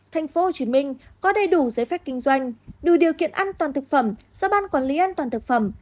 tp hcm có đầy đủ giấy phép kinh doanh đủ điều kiện an toàn thực phẩm do ban quản lý an toàn thực phẩm